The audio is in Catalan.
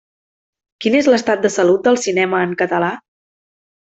Quin és l'estat de salut del cinema en català?